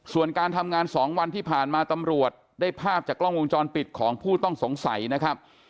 ส่วนการทำงาน๒วันที่ผ่านมาตำรวจได้ภาพจากกล้องวงจรปิดของผู้ต้องสงสัยนะครับ